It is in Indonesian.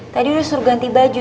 tadi udah suruh ganti baju